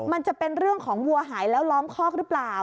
มันจะเป็นเรื่องของวัวหายแล้วล้อมคอกหรือเปล่า